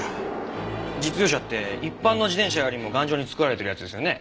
実用車って一般の自転車よりも頑丈に作られてるやつですよね。